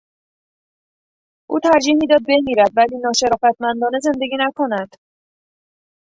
او ترجیح میداد بمیرد ولی ناشرافتمندانه زندگی نکند.